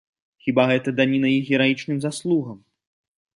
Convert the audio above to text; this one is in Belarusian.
Хіба гэта даніна іх гераічным заслугам?